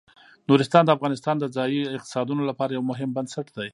نورستان د افغانستان د ځایي اقتصادونو لپاره یو مهم بنسټ دی.